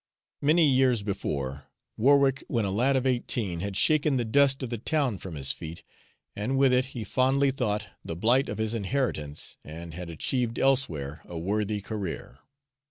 Many years before, Warwick, when a lad of eighteen, had shaken the dust of the town from his feet, and with it, he fondly thought, the blight of his inheritance, and had achieved elsewhere a worthy career.